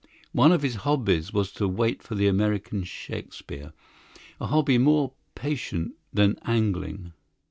One of his hobbies was to wait for the American Shakespeare a hobby more patient than angling.